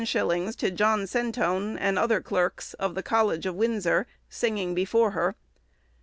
_ to John Sentone, and other clerks, of the college of Windsor, singing before her.